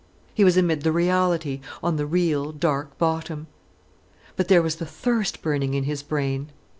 He was amid the reality, on the real, dark bottom. But there was the thirst burning in his brain.